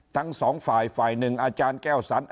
ทั้งสองฝ่ายฝ่ายหนึ่งอาจารย์แก้วสัน